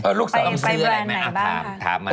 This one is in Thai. ไปแบรนด์ไหนบ้างค่ะ